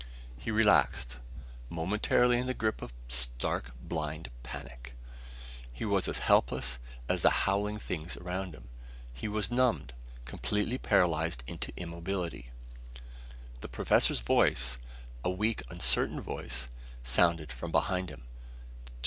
He relaxed, momentarily in the grip of stark, blind panic. He was as helpless as the howling things around him! He was numbed, completely paralyzed into immobility! The professor's voice a weak, uncertain voice sounded from behind him.